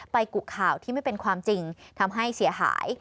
กุข่าวที่ไม่เป็นความจริงทำให้เสียหาย